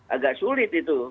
agak sulit itu